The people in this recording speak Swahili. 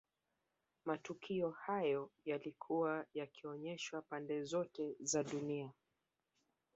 Matukio hayo yalikuwa yakionyeshwa pande zote za dunia